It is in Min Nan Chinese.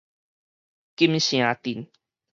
金城鎮